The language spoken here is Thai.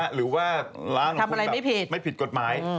หรือว่าล้างแบบไม่ผิดกฎหมาย